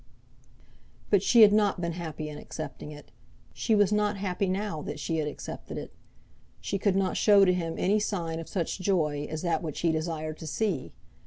But she had not been happy in accepting it. She was not happy now that she had accepted it. She could not show to him any sign of such joy as that which he desired to see.